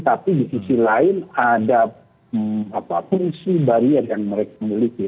tapi di sisi lain ada fungsi barier yang mereka miliki